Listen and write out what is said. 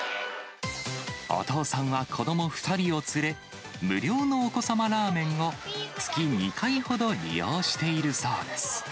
お父さんは子ども２人を連れ、無料のお子様ラーメンを月２回ほど利用しているそうです。